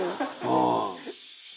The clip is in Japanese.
「ああ」